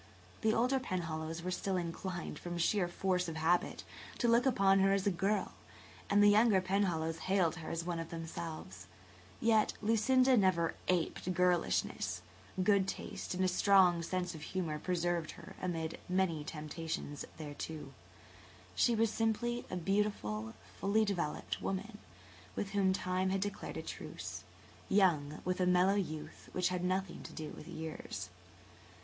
The older Penhallows were still inclined, from sheer force of habit, to look upon her as a girl, and the younger Penhallows hailed her as one of themselves. Yet Lucinda never aped girlishness; good taste and a strong sense of humour preserved her amid many temptations thereto. She was simply a beautiful, fully developed woman, with whom Time had declared a truce, young with a mellow youth which had nothing to do with years.